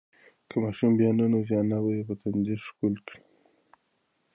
که ماشوم بیا ننوځي، انا به یې په تندي ښکل کړي.